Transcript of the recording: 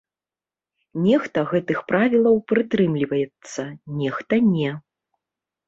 Нехта гэтых правілаў прытрымліваецца, нехта не.